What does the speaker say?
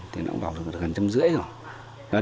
thì nó cũng vào được gần trăm rưỡi rồi